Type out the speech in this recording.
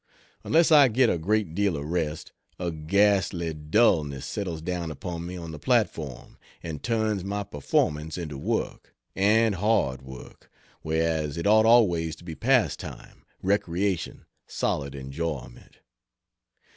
Unless I get a great deal of rest, a ghastly dulness settles down upon me on the platform, and turns my performance into work, and hard work, whereas it ought always to be pastime, recreation, solid enjoyment.